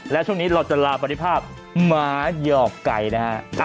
และช่วงนี้เราจะลาบริภาพหมาหยอกไก่นะฮะ